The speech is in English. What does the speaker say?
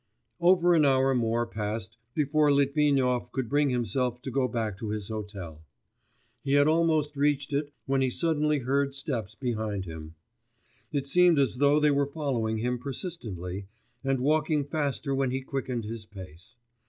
Over an hour more passed before Litvinov could bring himself to go back to his hotel. He had almost reached it when he suddenly heard steps behind him. It seemed as though they were following him persistently, and walking faster when he quickened his pace.